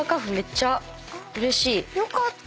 よかった！